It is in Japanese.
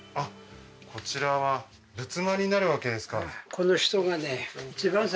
こちらは仏間になるわけですか